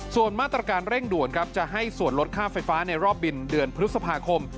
ส่วนมาตรการเร่งด่วนครับจะให้ส่วนลดค่าไฟฟ้าในรอบบินเดือนพฤษภาคม